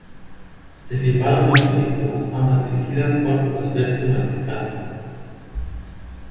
Se filmaron dos películas, ambas dirigidas por Alberto Mariscal.